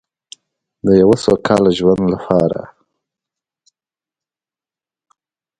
د یو سوکاله ژوند لپاره.